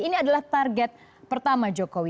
ini adalah target pertama jokowi